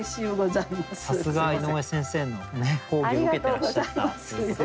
さすが井上先生のね講義を受けてらっしゃった。